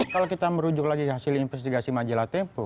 kalau kita merujuk lagi ke hasil investigasi majalah tempo